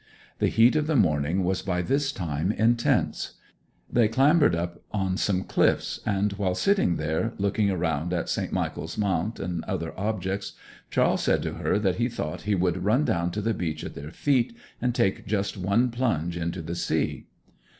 The heat of the morning was by this time intense. They clambered up on some cliffs, and while sitting there, looking around at St. Michael's Mount and other objects, Charles said to her that he thought he would run down to the beach at their feet, and take just one plunge into the sea.